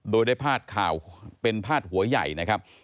โดยได้พาดข่าวเป็นพาดหัวใหญ่นะครับ